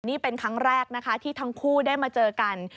นี่เป็นครั้งแรกนะคะที่ทั้งคู่ได้มาเจอกัน